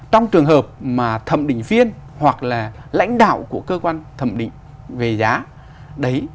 trong trường hợp mà thẩm định viên hoặc là lãnh đạo của cơ quan thẩm định về giá đấy